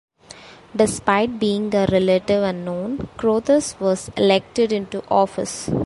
Despite being a relative unknown, Crothers was elected into office.